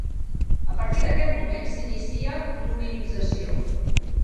A partir d'aquest moment s'inicia l'hominització.